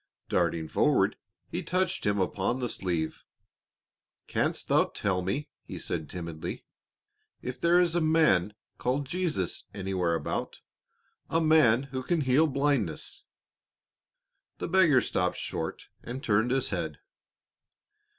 Darting forward, he touched him upon the sleeve. "Canst thou tell me," he said timidly, "if there is a man called Jesus anywhere about a man who can heal blindness?" The beggar stopped short and turned his head.